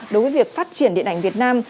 đối với việc phát triển điện ảnh việt nam